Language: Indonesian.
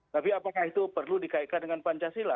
tapi apakah itu perlu dikaitkan dengan pancasila